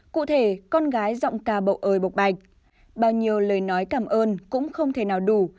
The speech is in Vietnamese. cụ thể con gái giọng ca bầu ơi bộc bạch bao nhiêu lời nói cảm ơn cũng không thể nào đủ